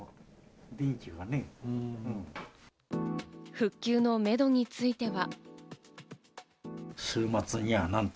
復旧のめどについては。